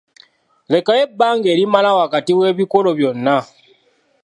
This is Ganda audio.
Lekawo ebbanga erimala wakati w'ebikolo byonna.